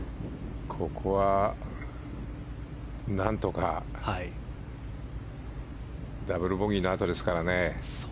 ここは、何とかダブルボギーのあとですからね。